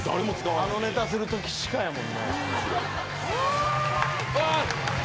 あのネタするときしかやもんね。